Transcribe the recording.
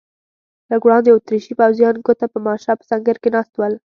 لږ وړاندې اتریشي پوځیان ګوته په ماشه په سنګر کې ناست ول.